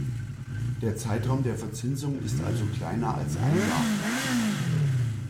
Der Zeitraum der Verzinsung ist also kleiner als ein Jahr.